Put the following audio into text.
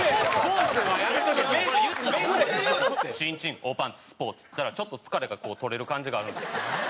「チンチンおパンツスポーツ」って言ったらちょっと疲れが取れる感じがあるんですよ。